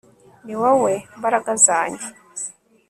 ni wowe mbaraga zanjye